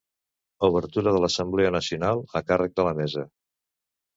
Obertura de l’assemblea nacional, a càrrec de la mesa.